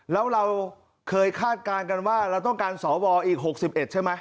แล้วเราเคยคาดการณ์กันว่าเราต้องการสวอีก๖๑ใช่ไหม